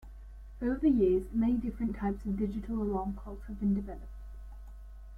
Over the years, many different types of digital alarm clocks have been developed.